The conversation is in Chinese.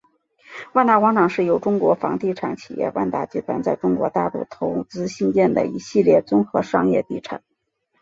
万达广场是由中国房地产企业万达集团在中国大陆投资兴建的一系列综合商业地产。